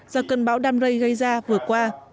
do cơn bão đam rây gây ra vừa qua